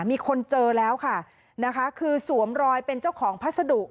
มีคนเจอแล้วค่ะนะคะคือสวมรอยเป็นเจ้าของพัสดุ